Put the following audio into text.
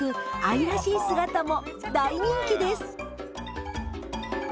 愛らしい姿も大人気です